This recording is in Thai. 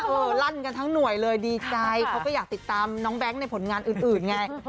ลั่นกันทั้งหน่วยเลยดีใจเขาก็อยากติดตามน้องแบงค์ในผลงานอื่นไง